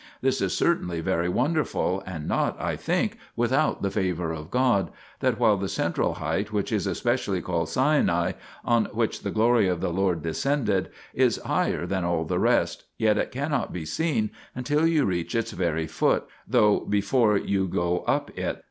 This is certainly very wonderful, and not, I think, without the favour of God, that while the central height, which is specially called Sinai, on which the Glory of the Lord descended, is higher than all the rest, yet it cannot be seen until you reach its very foot, though before you go up it.